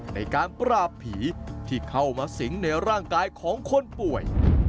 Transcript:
ในการปราบผีที่เข้ามาสิงในร่างกายของคนป่วย